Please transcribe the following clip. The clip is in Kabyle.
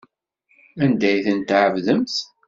Anda ay ten-tɛebdemt?